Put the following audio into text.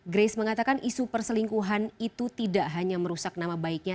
grace mengatakan isu perselingkuhan itu tidak hanya merusak nama baiknya